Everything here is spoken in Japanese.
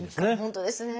本当ですね。